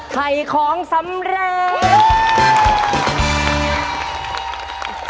ไขของสำเร็จ